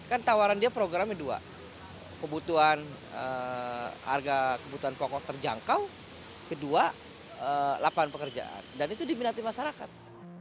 kan tawaran dia programnya dua kebutuhan harga kebutuhan pokok terjangkau kedua lapangan pekerjaan dan itu diminati masyarakat